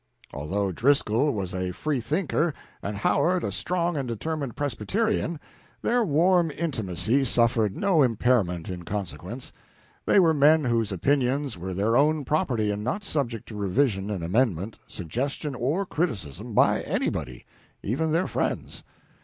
Although Driscoll was a free thinker and Howard a strong and determined Presbyterian, their warm intimacy suffered no impairment in consequence. They were men whose opinions were their own property and not subject to revision and amendment, suggestion or criticism, by anybody, even their friends.